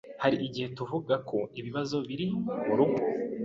hari igihe tuvuga ko ibibazo biri mu rugo